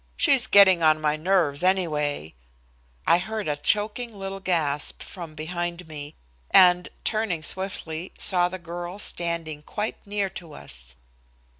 She's getting on my nerves anyway," I heard a choking little gasp from behind me, and, turning swiftly, saw the girl standing quite near to us.